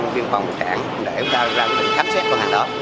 viên phòng khẳng để ra răng để khám xét con hàng đó